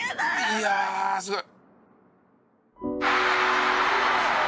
「いやあすごい」